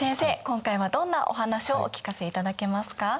今回はどんなお話をお聞かせいただけますか？